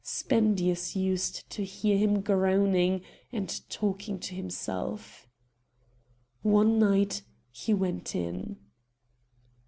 Spendius used to hear him groaning and talking to himself. One night he went in.